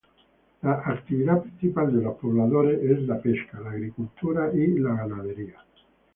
La actividad principal de los pobladores es la pesca, la agricultura y la ganadería.